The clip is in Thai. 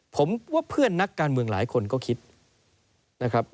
ผมว่าเพื่อนนักการเมืองหลายคนก็คิดนะครับ